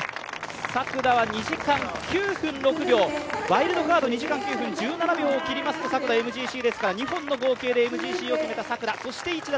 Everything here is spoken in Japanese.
作田は２時間９分６秒、ワイルドカード、２時間９分１７秒を切りますと作田ＭＧＣですから２本の合計でＭＧＣで決めた作田。